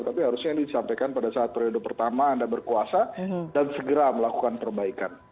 tapi harusnya ini disampaikan pada saat periode pertama anda berkuasa dan segera melakukan perbaikan